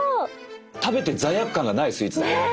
食べて罪悪感がないスイーツだ。ね！